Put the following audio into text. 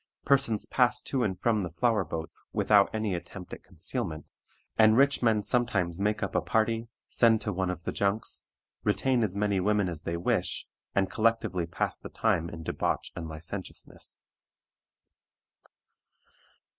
Persons pass to and from the Flower Boats without any attempt at concealment, and rich men sometimes make up a party, send to one of the junks, retain as many women as they wish, and collectively pass the time in debauch and licentiousness.